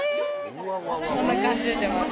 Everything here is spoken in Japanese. こんな感じで出ます。